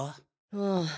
ああ。